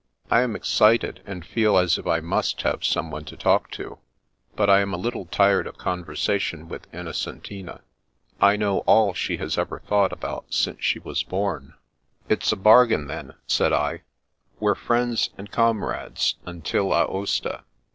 I am ex cited, and feel as if I must have someone to talk to, but I am a little tired of conversation with Innocentina. I know all she has ever thought about since she was born." 138 The Princess Passes It's a bargain then," said I. " We're friends and comrades — ^until Aosta.